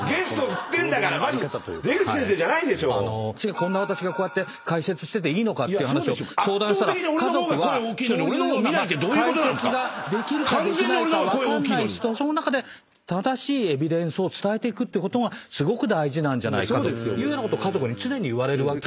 こんな私がこうやって解説してていいのかって話を相談したら家族は「そういうような解説ができるかできないか分かんない人その中で正しいエビデンスを伝えていくことがすごく大事なんじゃないか」というようなことを家族に常に言われるわけなんです。